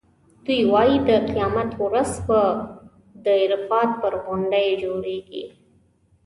دوی وایي د قیامت ورځ به د عرفات پر غونډۍ جوړېږي.